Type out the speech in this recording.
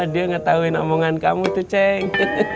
dia nggak tauin omongan kamu tuh ceng